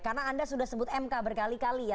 karena anda sudah sebut mk berkali kali ya